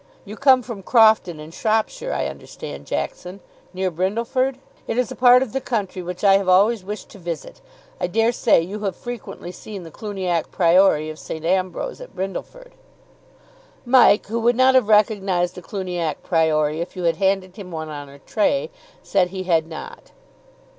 You come from Crofton, in Shropshire, I understand, Jackson, near Brindleford? It is a part of the country which I have always wished to visit. I daresay you have frequently seen the Cluniac Priory of St. Ambrose at Brindleford?" Mike, who would not have recognised a Cluniac Priory if you had handed him one on a tray, said he had not.